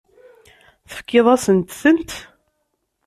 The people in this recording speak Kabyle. Tefkiḍ-asent-tent?